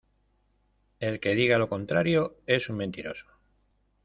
el que diga lo contrario es un mentiroso.